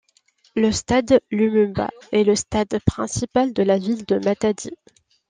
Le stade Lumumba est le stade principal de la ville de Matadi.